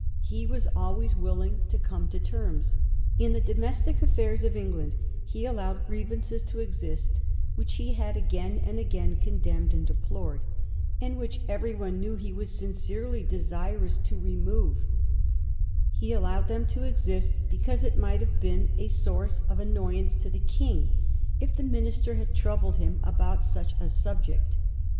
He was always willing to come to terms. In the domestic affairs of England he allowed grievances to exist which he had again and again con demned and deplored, and which every one knew he was sincerely desirous to remove; he allowed them to exist because it might have been a source of annoyance to the King if the minister had troubled him about such a sub* ject.